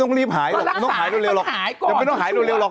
ต้องหายด้วยเร็วหรอก